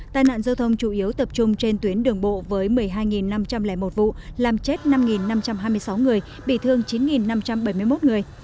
tai nạn giao thông chủ yếu tập trung trên tuyến đường bộ với một mươi hai năm trăm linh một vụ làm chết năm năm trăm hai mươi sáu người bị thương chín năm trăm bảy mươi một người